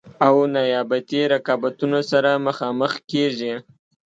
او نیابتي رقابتونو سره مخامخ کیږي.